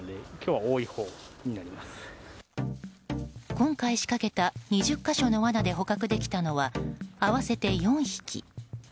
今回、仕掛けた２０か所のわなで捕獲できたのは合わせて４匹。